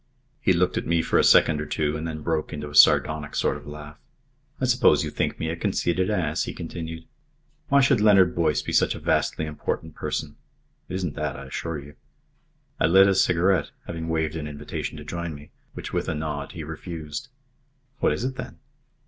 He looked at me for a second or two and then broke into a sardonic sort of laugh. "I suppose you think me a conceited ass," he continued. "Why should Leonard Boyce be such a vastly important person? It isn't that, I assure you." I lit a cigarette, having waved an invitation to join me, which with a nod he refused. "What is it, then?"